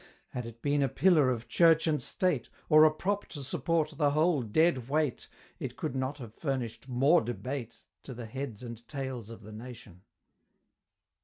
Had it been a Pillar of Church and State, Or a prop to support the whole Dead Weight, It could not have furnished more debate To the heads and tails of the nation!